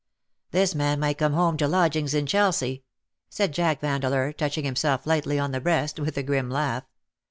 ^' This man might come home to lodgings in Chelsea," said Jack Vandeleur, touching himself lightly on the breast, with a grim laugh.